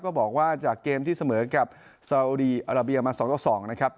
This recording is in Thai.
บอกว่าจากเกมที่เสมอกับซาอุดีอาราเบียมา๒ต่อ๒นะครับ